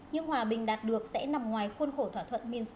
nhưng hòa bình đạt được sẽ nằm ngoài khuôn khổ thỏa thuận minsk